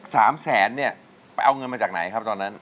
สามแสนเนี่ยไปเอาเงินมาจากไหนครับตอนนั้น